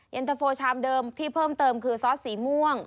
เย็นตะโฟชามเดิมที่เพิ่มเติมคือซอสสีม่วง